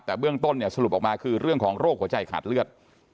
แต่เบื้องต้นเนี่ยสรุปออกมาคือเรื่องของโรคหัวใจขาดเลือด